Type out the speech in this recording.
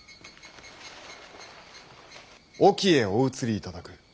隠岐へお移りいただく。